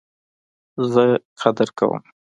زه قدر کوم